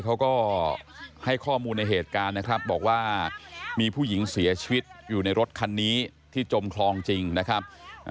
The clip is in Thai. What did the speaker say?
เขาก็ให้ข้อมูลในเหตุการณ์นะครับบอกว่ามีผู้หญิงเสียชีวิตอยู่ในรถคันนี้ที่จมคลองจริงนะครับ